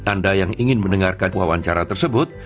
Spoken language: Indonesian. anda yang ingin mendengarkan wawancara tersebut